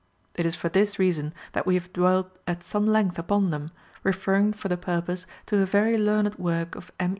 It is for this reason that we have dwelt at some length upon them, referring for the purpose to a very learned work of M.